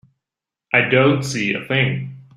I don't see a thing.